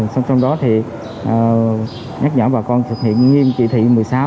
xong xong đó nhắc nhẫn bà con thực hiện nghiêm trị thị một mươi sáu